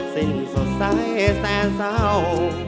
สิ้นสดใสแสนเศร้า